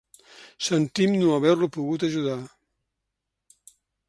Sentim no haver-lo pogut ajudar.